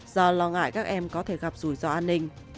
do lo ngại các em có thể gặp rủi ro an ninh